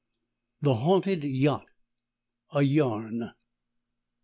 THE HAUNTED YACHT. A YARN.